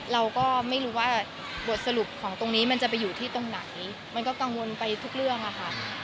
เราก็ไม่รู้ว่าบทสรุปของตรงนี้มันจะไปอยู่ที่ตรงไหนมันก็กังวลไปทุกเรื่องอะค่ะ